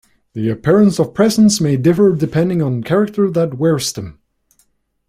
The appearance of presents may differ depending on the character that wears them.